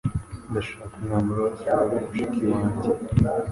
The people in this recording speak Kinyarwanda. Ndashaka umwambaro wa siporo mushiki wanjye.